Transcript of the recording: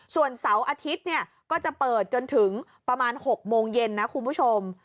ส่วนเสาร์อาทิตย์เนี่ยก็จะเปิดจนถึงประมาณ๖โมงเย็นนะคุณผู้ชม